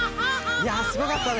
いやすごかったね。